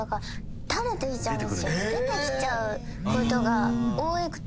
出てきちゃうことが多くて。